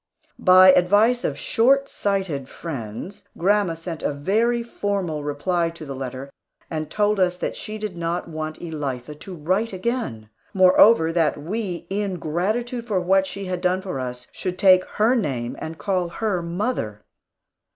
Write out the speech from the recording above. By advice of short sighted friends, grandma sent a very formal reply to the letter, and told us that she did not want Elitha to write again. Moreover, that we, in gratitude for what she had done for us, should take her name and call her "mother."